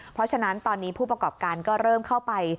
เพราะฉะนั้นตอนนี้ผู้ประกอบการก็เริ่มเข้าไป